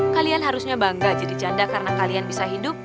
kalian harusnya bangga jadi janda karena kalian bisa hidup